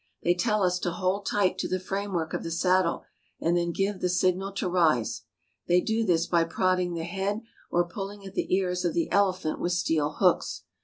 They tell us to hold tight to the framework of the saddle, and then give the signal to rise. They do this by prodding the head or pulling at the ears of the elephant with steel hooks.